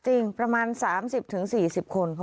จริงประมาณ๓๐๔๐คน